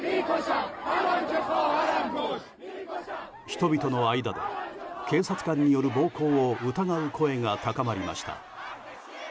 人々の間で、警察官による暴行を疑う声が高まりました。